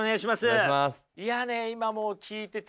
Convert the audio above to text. いやね今もう聞いててね